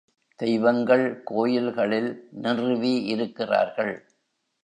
தெய்வங்கள் கோயில்களில் நிறுவி இருக்கிறார்கள்.